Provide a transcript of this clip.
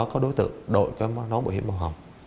khẳng định đó là màu hồng